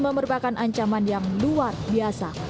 merupakan ancaman yang luar biasa